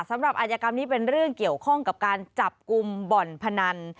อาจกรรมนี้เป็นเรื่องเกี่ยวข้องกับการจับกลุ่มบ่อนพนัน